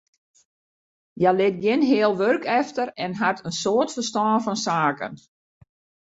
Hja lit gjin heal wurk efter en hat in soad ferstân fan saken.